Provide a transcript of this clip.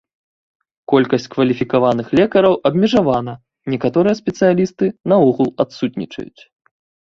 Колькасць кваліфікаваных лекараў абмежавана, некаторыя спецыялісты наогул адсутнічаюць.